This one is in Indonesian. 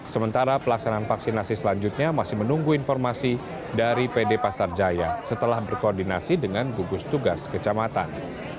sementara pelaksanaan vaksinasi selanjutnya masih menunggu informasi dari pd pasar jaya setelah berkoordinasi dengan gugus tugas kecamatan